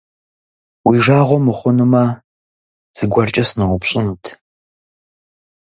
Уи жагъуэ мыхъунумэ, зыгуэркӀэ сыноупщӀынут.